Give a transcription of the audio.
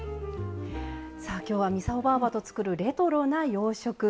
今日は操ばぁばと作るレトロな洋食。